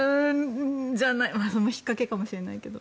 それもひっかけかもしれないけど。